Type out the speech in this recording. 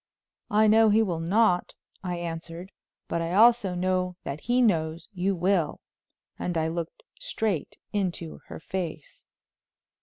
"I know he will not," I answered; "but I also know that he knows you will," and I looked straight into her face.